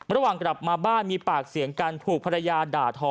ระหว่างกลับมาบ้านมีปากเสียงกันถูกภรรยาด่าทอ